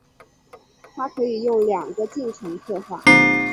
它可以用两个进程刻画。